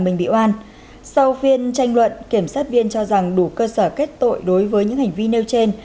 mình bị oan sau phiên tranh luận kiểm sát viên cho rằng đủ cơ sở kết tội đối với những hành vi nêu trên